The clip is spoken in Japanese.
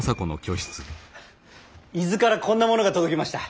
伊豆からこんなものが届きました。